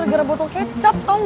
kan gara gara botol kecap tau gak